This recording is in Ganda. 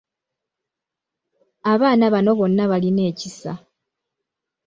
Abaana bano bonna balina ekisa.